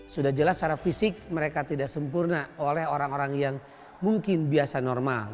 sudah jelas secara fisik mereka tidak sempurna oleh orang orang yang mungkin biasa normal